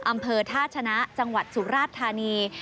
อำเภอท่าชนะจังหวัดสุราชธานี